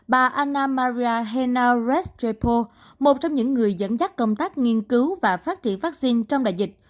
bà anna maria hena restrepo một trong những người dẫn dắt công tác nghiên cứu và phát triển vaccine trong đại dịch